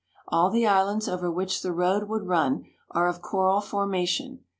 All the islands over which the road would run are of coral formation.